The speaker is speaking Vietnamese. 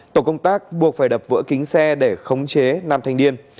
tổ công tác buộc phải đập vỡ kính xe để khống chế nam thanh niên